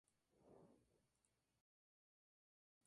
Regional La Paz y Oruro.